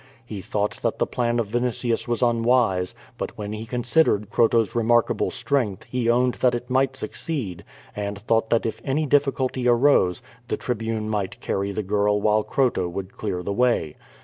lie thought that the plan of Vinitius was unwise; but when he considered Croto's remarkable strength he owned that it might succeed and thought that if any difficulty arose, the Tribune might carry the girl while Croto would clear the way.